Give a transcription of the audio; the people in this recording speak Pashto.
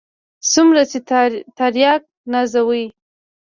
څومره چې ترياک نازوي.